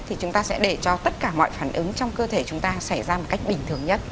thì chúng ta sẽ để cho tất cả mọi phản ứng trong cơ thể chúng ta xảy ra một cách bình thường nhất